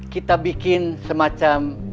kita bikin semacam